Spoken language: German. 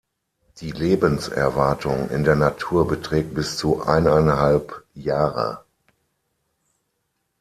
Die Lebenserwartung in der Natur beträgt bis zu eineinhalb Jahre.